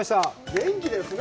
元気ですね。